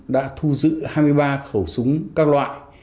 đã thu giữ hai mươi ba khẩu súng các loại